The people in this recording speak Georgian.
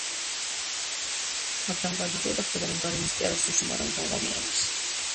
მაგრამ გადის დრო და ხვდება, რომ გარემოს კი არ აქვს მნიშვნელობა, არამედ ადამიანებს.